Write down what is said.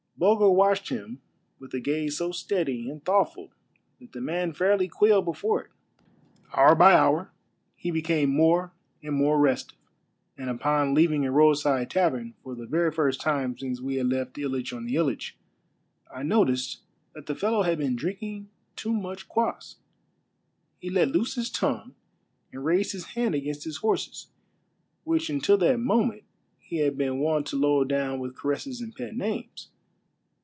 Bulger watched him with a gaze so steady and thoughtful that the man fairly quailed before it. Hour by hour he became more and more restive, and upon leaving a roadside tavern, for the very first time since we had left Hitch on the Hitch, I noticed that the fellow had been drinking too much ktvass. He let loose his tongue, and raised his hand against his horses, which until that moment he had been wont to load down with caresses and pet names.